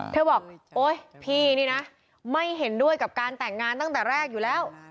เธอบอกโอ๊ยพี่นี่นะไม่เห็นด้วยกับการแต่งงานตั้งแต่แรกอยู่แล้ว